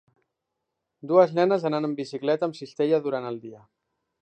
Dues nenes anant en bicicleta amb cistella durant el dia.